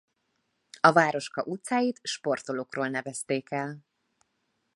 A városka utcáit sportolókról nevezték el.